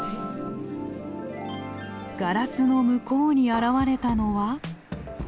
ガラスの向こうに現れたのは？